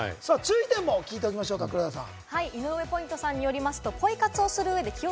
さあ、注意点も聞いておきましょうか、黒田さん。